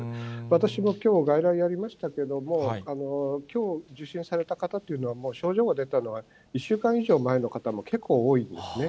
私もきょう、外来やりましたけれども、きょう、受診された方というのは、もう症状が出たのは１週間以上も前の方も結構多いんですね。